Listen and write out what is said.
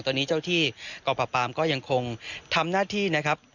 ตอนนี้เจ้าที่กรประปามก็ยังคงทำหน้าที่นะครับ